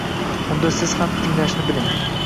Unda siz ham tinglashni biling!